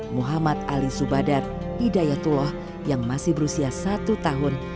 muhammad ali subadar hidayatullah yang masih berusia satu tahun